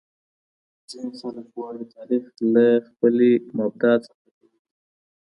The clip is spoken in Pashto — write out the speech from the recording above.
ځینې خلګ غواړي تاریخ له خپلي مبدا څخه جوړ کړي.